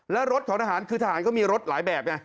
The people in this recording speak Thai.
แล้วรถของทหารคือทหารก็มีรถหลายแบบไง